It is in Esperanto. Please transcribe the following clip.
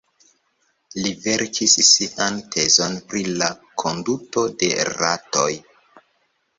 Li verkis sian tezon pri la konduto de ratoj.